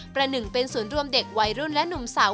ประหนึ่งเป็นศูนย์รวมเด็กวัยรุ่นและหนุ่มสาว